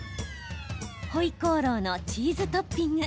ホイコーローのチーズトッピング。